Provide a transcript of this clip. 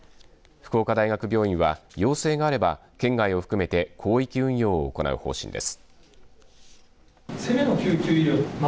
福岡大学病院は要請があれば県外を含めて広域運用を行う方針です。